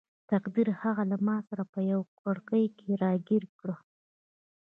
تقدیر هغه له ماسره په یوه کړۍ کې راګیر کړ.